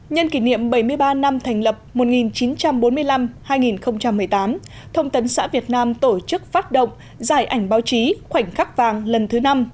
nhân kỷ niệm bảy mươi ba năm thành lập một nghìn chín trăm bốn mươi năm hai nghìn một mươi tám thông tấn xã việt nam tổ chức phát động giải ảnh báo chí khoảnh khắc vàng lần thứ năm